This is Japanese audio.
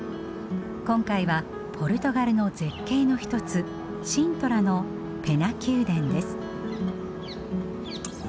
今回はポルトガルの絶景の一つシントラのペナ宮殿です。